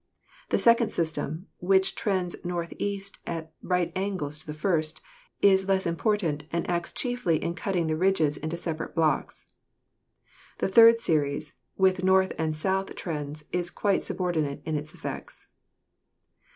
The second system, which trends northeast at right angles to the first, is less impor tant and acts chiefly in cutting the ridges into separate blocks. The third series, with north and south trends, is quite subordinate in its effects.